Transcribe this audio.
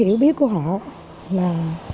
hiểu biết của họ là